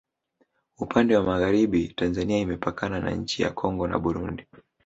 upande wa magharibi tanzania imepakana na nchi ya kongo na burundi